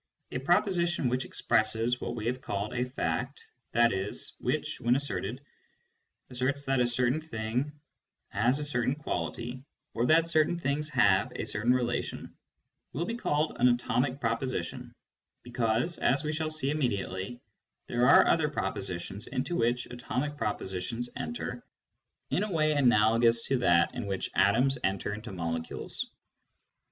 A proposition which expresses what we have called a fact, i.e. which, when asserted, asserts that a certain thing has a certain quality, or that certain things have a certain relatidn, will be called an atomic pro position, because, as we shall see immediately, there are other propositions into which atomic propositions enter in a way analogous to that in which atoms enter into molecules.